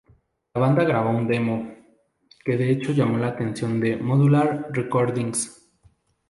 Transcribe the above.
La banda grabó un demo, que de hecho llamó la atención de "Modular Recordings".